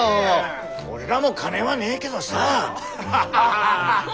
俺らも金はねえけどさ！